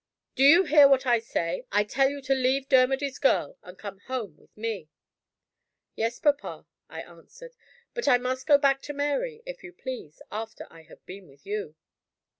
"Do you hear what I say? I tell you to leave Dermody's girl, and come home with me." "Yes, papa," I answered. "But I must go back to Mary, if you please, after I have been with you."